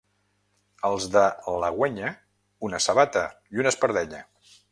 Els de l'Alguenya, una sabata i una espardenya.